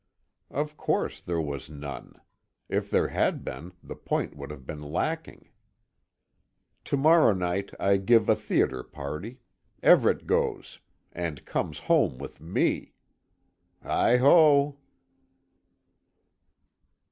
Of course there was none. If there had been, the point would have been lacking. To morrow night I give a theatre party Everet goes and comes home with me. Heigho!